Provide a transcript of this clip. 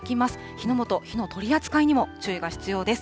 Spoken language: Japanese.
火の元、火の取り扱いにも注意が必要です。